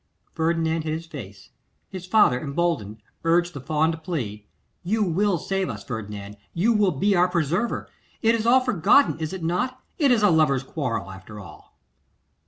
Ferdinand hid his face; his father, emboldened, urged the fond plea. 'You will save us, Ferdinand, you will be our preserver? It is all forgotten, is it not? It is a lovers' quarrel, after all?